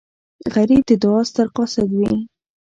غریب د دعا ستر قاصد وي